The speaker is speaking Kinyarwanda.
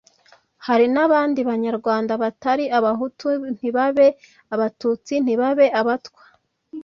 hari n'abandi banyarwanda batari abahutu ntibabe abatutsi, ntibabe abatwa: